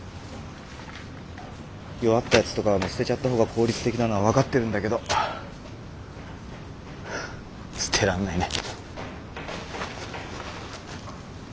弱ったやつとかは捨てちゃった方が効率的なのは分かってるんだけど捨てらんないね。